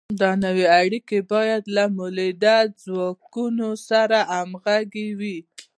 دا نوې اړیکې باید له مؤلده ځواکونو سره همغږې وي.